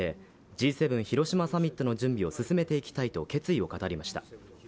Ｇ７広島サミットの準備を進めていきたいと決意を語りました。